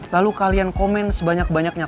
lalu kalian komen sebanyak banyaknya